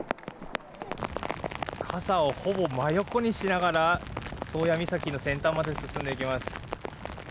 傘をほぼ真横にしながら宗谷岬の先端まで進んでいきます。